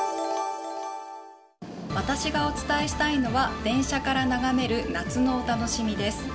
私がお伝えしたいのは電車から眺める夏のお楽しみです。